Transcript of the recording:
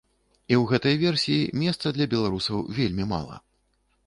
І ў гэтай версіі месца для беларусаў вельмі мала.